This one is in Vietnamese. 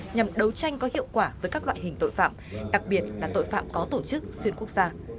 nhằm đấu tranh có hiệu quả với các loại hình tội phạm đặc biệt là tội phạm có tổ chức xuyên quốc gia